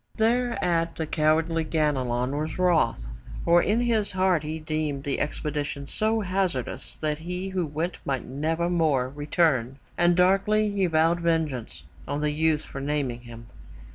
'' Thereat the cowardly Ganelon was wroth, for in his heart he deemed the expedition so hazardous that he who went might nevermore return, and darkly he vowed vengeance on the youth for naming him.